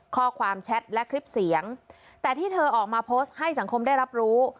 แชทและคลิปเสียงแต่ที่เธอออกมาโพสต์ให้สังคมได้รับรู้